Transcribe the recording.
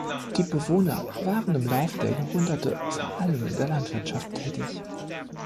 Die Bewohner waren im Laufe der Jahrhunderte vor allem in der Landwirtschaft tätig.